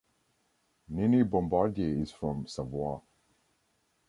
Nini Bombardier is from Savoie.